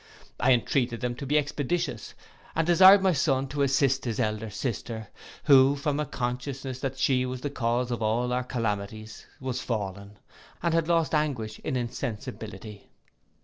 I entreated them to be expeditious, and desired my son to assist his elder sister, who, from a consciousness that she was the cause of all our calamities, was fallen, and had lost anguish in insensibility.